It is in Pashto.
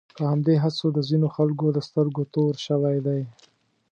په همدې هڅو د ځینو خلکو د سترګو تور شوی دی.